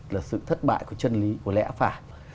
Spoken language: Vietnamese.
là sự thất bại của chân lý của lẽ áp phả